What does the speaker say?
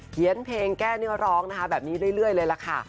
เขียนเพลงแก้เนื้อร้องนะคะแบบนี้เรื่อยเลยล่ะค่ะ